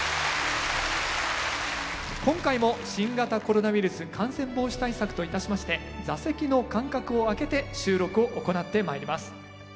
今回も新型コロナウイルス感染防止対策といたしまして座席の間隔を空けて収録を行ってまいります。